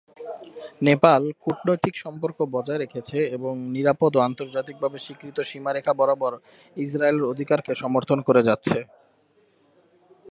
নেপাল কূটনৈতিক সম্পর্ক বজায় রেখেছে এবং নিরাপদ ও আন্তর্জাতিকভাবে স্বীকৃত সীমারেখা বরাবর ইসরায়েলের অধিকারকে সমর্থন করে যাচ্ছে।